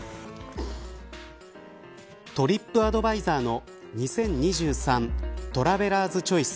トリップアドバイザーの２０２３トラベラーズチョイス